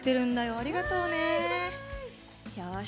ありがとうね。よし。